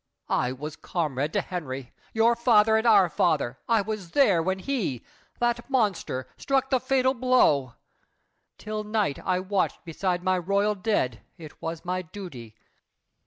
I was comrade to Henry! Your father and our father! I was there When he—that monster—struck the fatal blow. 'Til night I watched beside my royal dead: It was my duty.